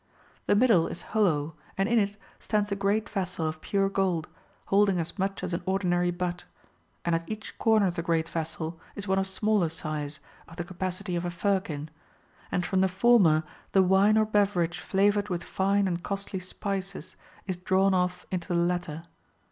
The middle is hollow, and in it] stands a great vessel of pure gold, holding as much as an ordinary butt ; and at each corner of the great vessel is one of smaller size [of the capacity of a firkin], and from the former the wine or beverage flavoured with fine and costly spices is drawn off" into the latter.